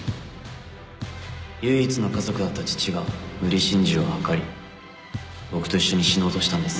唯一の家族だった父が無理心中を図り僕と一緒に死のうとしたんです